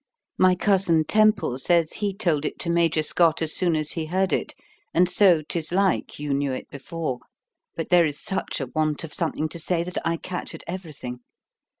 My cousin Temple says he told it to Major Scott as soon as he heard it, and so 'tis like you knew it before; but there is such a want of something to say that I catch at everything.